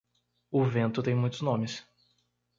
O vento tem muitos nomes.